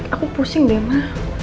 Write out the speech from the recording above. aku pusing dema